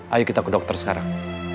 ayo kita ke dokter sekarang